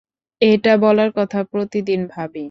এটা বলার কথা প্রতিদিন ভাবি।